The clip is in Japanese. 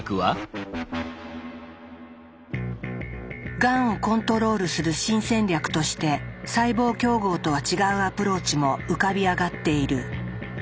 がんをコントロールする新戦略として細胞競合とは違うアプローチも浮かび上がっている。